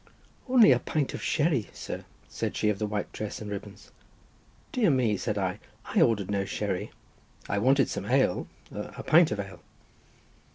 "Only a pint of sherry, sir," said she of the white dress and ribbons. "Dear me," said I, "I ordered no sherry, I wanted some ale—a pint of ale."